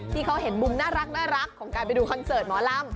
ที่เขาเห็นมุมน่ารักของการไปดูคอนเสิร์ตหมอลำ